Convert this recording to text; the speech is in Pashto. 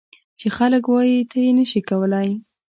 چې خلک وایي ته یې نه شې کولای.